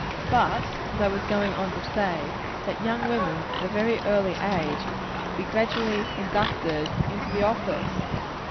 Put, as I was going on to say, let young women, at a very early age, be gradually inducted into the office.